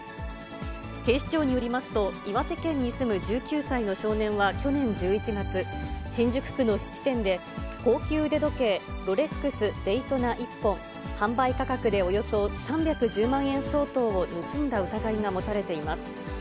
警視庁によりますと、岩手県に住む１９歳の少年は去年１１月、新宿区の質店で、高級腕時計、ロレックスデイトナ１本、販売価格でおよそ３１０万円相当を盗んだ疑いが持たれています。